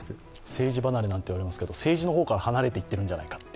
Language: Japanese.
政治離れなんて言われていますけど、政治の方から離れていっているんじゃないかと。